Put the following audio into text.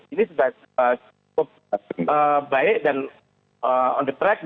ini sudah cukup baik dan on the track